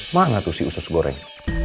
mana tuh si usus goreng